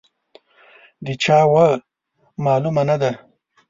د چا وه، معلومه نه ده.